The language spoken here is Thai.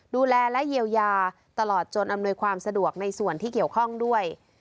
ดูแลและเยียวยาตลอดจนอำนวยความสะดวกในส่วนที่เกี่ยวข้องด้วย